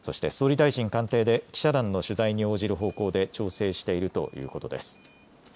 そして、総理大臣官邸で記者団の取材に応じる方向で調整しているということです。